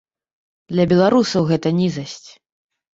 Для беларусаў гэта нізасць.